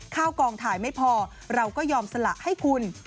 เข้ากองถ่ายไม่พอเราก็ยอมสละให้คุณ